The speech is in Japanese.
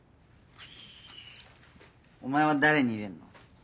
お前は誰に入れんの？